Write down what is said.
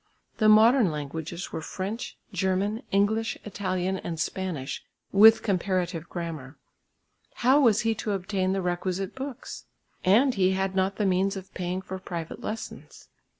The modern languages were French, German, English, Italian and Spanish, with comparative grammar. How was he to obtain the requisite books? And he had not the means of paying for private lessons.